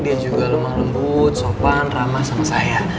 dia juga lemah lembut sopan ramah sama saya